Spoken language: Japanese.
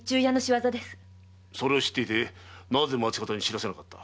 それを知っていてなぜ町方に知らせなかった？